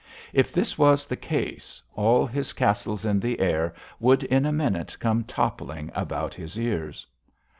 If this was the case, all his castles in the air would in a minute come toppling about his ears.